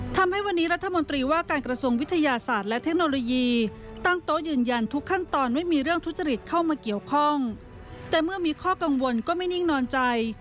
แต่เมื่อมีข้อกังวลก็ไม่นิ่งนอนใจ